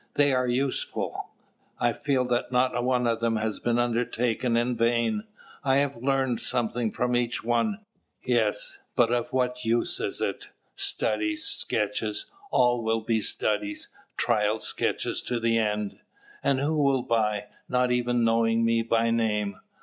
They are useful; I feel that not one of them has been undertaken in vain; I have learned something from each one. Yes, but of what use is it? Studies, sketches, all will be studies, trial sketches to the end. And who will buy, not even knowing me by name?